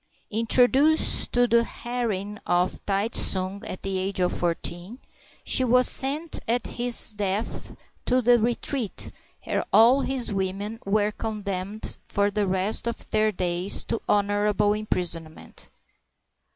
Introduced to the harem of Tai tsung at the age of fourteen, she was sent at his death to the retreat where all his women were con demned for the rest of their days to honorable imprison ment.